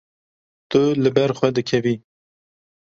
Tu li ber xwe dikevî.